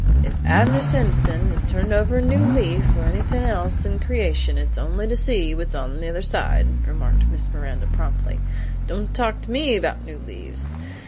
"If Abner Simpson is turnin' over a leaf, or anythin' else in creation, it's only to see what's on the under side!" remarked Miss Miranda promptly. "Don't talk to me about new leaves!